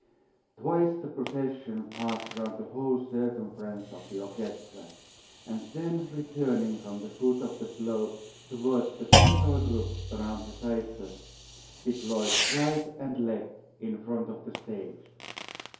Twice the procession passed round the whole circumference of the orchestra, and then returning from the foot of the slope towards the central group around Hephaestus, deployed right and left in front of the stage.